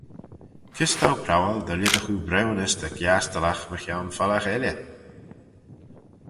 Kys t'ou prowal dy lhisagh oo briwnys dy giastyllagh mychione feallagh elley?